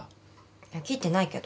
いや切ってないけど。